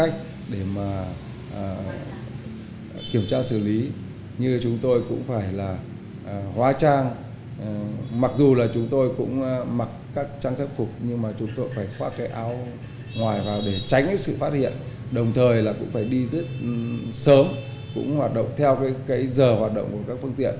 chúng tôi phải khoác cái áo ngoài vào để tránh sự phát hiện đồng thời là cũng phải đi rất sớm cũng hoạt động theo cái giờ hoạt động của các phương tiện